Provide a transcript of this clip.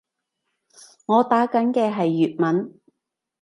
我打緊嘅係粵文